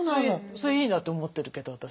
それいいなと思ってるけど私。